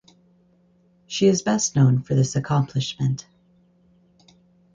She is best known for this accomplishment.